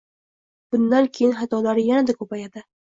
Bundan keyin xatolari yanada ko‘payadi